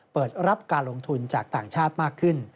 เปิดรับการลงทุนจากต่างชาติมากขึ้น